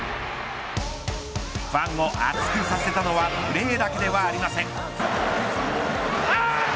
ファンを熱くさせたのはプレーだけではありません。